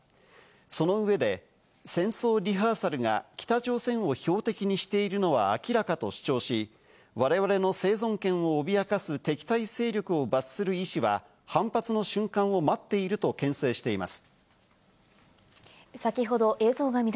その上で、戦争リハーサルが北朝鮮を標的にしているのは明らかと主張し、我々の生存権を脅かす敵対勢力を罰する意志は反発の瞬間を待っているとけん制しています。